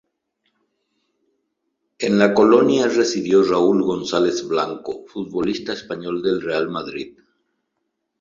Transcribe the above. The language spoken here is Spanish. En la Colonia residió Raúl González Blanco, futbolista español del Real Madrid.